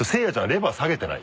レバー下げてない？